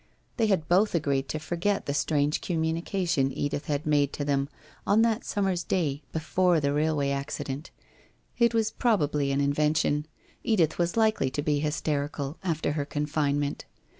They had both agreed to forget the strange communication Edith had made to them on that summer's day before the railway accident. It was probably an invention. Edith was likely to be hysterical after her confinement.